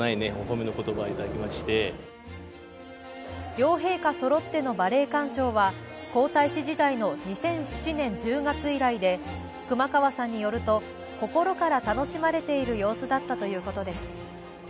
両陛下そろってのバレエ鑑賞は皇太子時代の２００７年１０月以来で、熊川さんによると心から楽しまれている様子だったということです。